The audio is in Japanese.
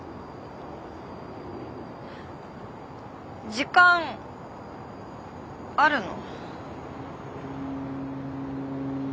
時間あるの？